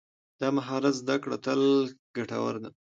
د مهارت زده کړه تل ګټوره ده.